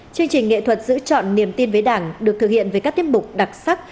chương trình nghệ thuật giữ chọn niềm tin với đảng được thực hiện với các tiết mục đặc sắc